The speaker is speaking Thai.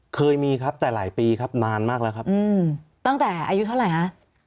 เคยมีครับแต่หลายปีครับนานมากแล้วครับตั้งแต่อายุเท่าไหร่ฮะ